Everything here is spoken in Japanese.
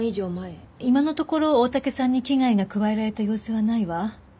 今のところ大竹さんに危害が加えられた様子はないわ。